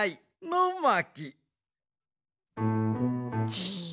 じ。